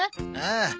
ああ。